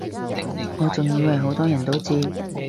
我仲以爲好多人都知